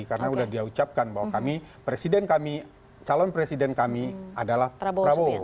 karena sudah dia ucapkan bahwa kami presiden kami calon presiden kami adalah prabowo